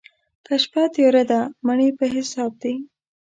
که شپه تياره ده، مڼې په حساب دي.